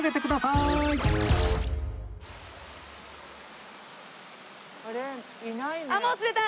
いないね。